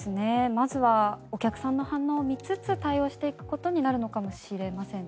まずはお客さんの反応を見つつ対応していくことになるのかもしれませんね。